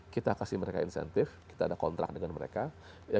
kita kasih mereka insentif kita ada kontrak dengan mereka